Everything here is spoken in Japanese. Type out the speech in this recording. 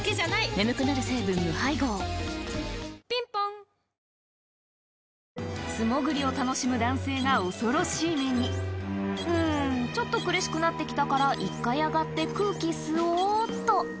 眠くなる成分無配合ぴんぽん素潜りを楽しむ男性が恐ろしい目に「うんちょっと苦しくなってきたから一回上がって空気吸おうっと」